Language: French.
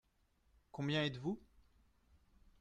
Combien êtes-vous ?